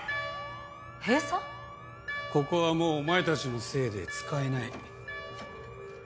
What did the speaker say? ここはもうお前たちのせいで使えない。